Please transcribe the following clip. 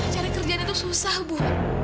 cari kerjaan itu susah bu